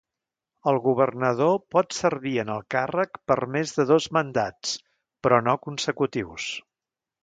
El governador pot servir en el càrrec per més de dos mandats, però no consecutius.